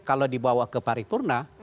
kalau dibawa ke paripurna